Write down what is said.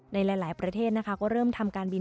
ในหลายประเทศนะคะก็เริ่มทำการบิน